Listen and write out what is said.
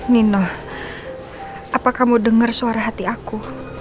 nino apa kamu denger suara hati aku